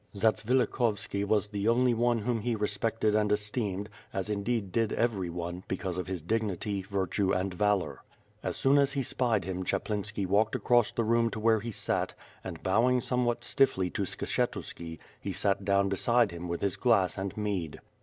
Zatsvilikhovski was the only one whom he respected and esteemed, as indeed did every one, because of his dignity, virtue, and valor. As soon as he spied him Chaplinski walked across the room to where he sat, and bowing somewhat stiffly to Skshetuski, he sat down beside him with his glass and mead.